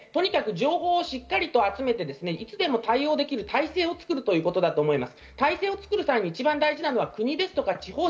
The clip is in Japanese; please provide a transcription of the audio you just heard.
情報をしっかり集めて、いつでも対応できる体制を作るということだと思います。